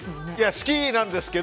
好きなんですけど。